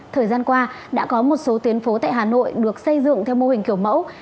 thời gian qua đã có một số tuyến phố tại hà nội được xây dựng theo mô hình kiểu mẫu